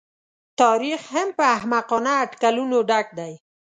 تاریخ هم په احمقانه اټکلونو ډک دی.